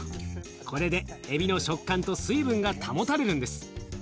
これでエビの食感と水分が保たれるんです。